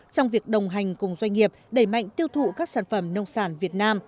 trong việc đồng hành cùng doanh nghiệp đẩy mạnh tiêu thụ các sản phẩm nông sản việt nam